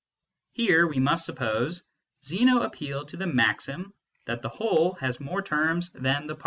Here, we must suppose, Zeno appealed to the maxim that the whole has more terms that the part.